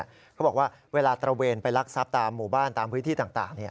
เขาบอกว่าเวลาตระเวนไปรักทรัพย์ตามหมู่บ้านตามพื้นที่ต่าง